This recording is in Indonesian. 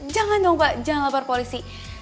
jangan dong pak jangan lapor polisi